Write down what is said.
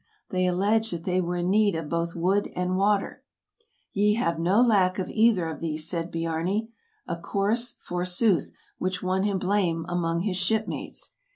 They alleged that they were in need of both wood and water. " Ye have no lack of either of these, '' says Biarni — a course, forsooth, which won him blame among his shipmates.